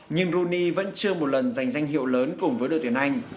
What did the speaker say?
nhưng bruni vẫn chưa một lần giành danh hiệu lớn cùng với đội tuyển anh